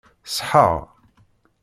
Ṣeḥḥaɣ.